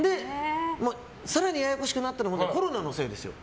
更にややこしくなったのはコロナのせいですよ。